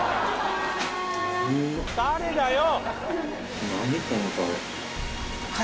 「誰だよ！」